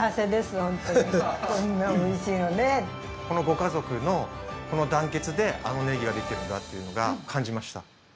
このご家族の団結であのねぎができてるんだっていうのが感じました。